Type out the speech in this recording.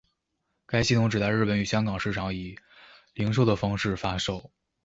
该系统只在日本与香港市场以零售的方式发售。